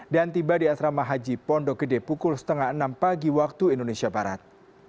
dan tiba di asrama haji pondokide pukul setengah enam pagi waktu indonesia barat